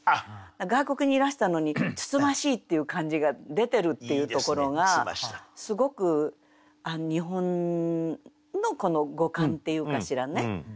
外国にいらしたのに「つつましい」っていう感じが出てるっていうところがすごく日本のこの語感っていうかしらね。